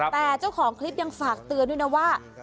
แต่เจ้าของคลิปยังฝากเตือนด้วยนะว่า